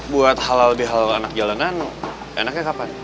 buat halal bihalal anak jalanan enaknya kapan